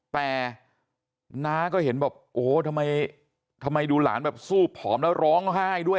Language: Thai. แต่น้าก็เห็นแบบโอ้โหทำไมดูหลานแบบซูบผอมแล้วร้องไห้ด้วย